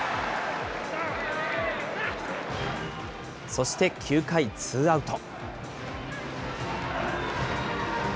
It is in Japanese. そして９回ツーアウト。